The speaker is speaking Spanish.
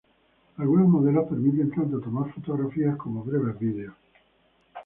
Algunos modelos permiten tanto tomar fotografías como breves videos.